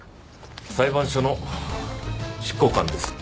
裁判所の執行官です。